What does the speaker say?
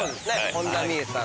本田望結さん